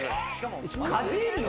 ・かじるの？